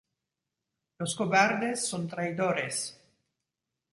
Los cobardes son traidores.